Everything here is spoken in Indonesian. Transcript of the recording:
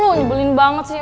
lo nyebelin banget sih